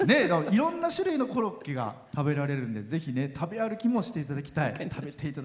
いろんな種類のコロッケが食べられるのでぜひ、食べ歩きもしていただきたい。